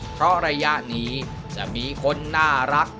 เพราะระยะนี้จะมีคนน่ารัก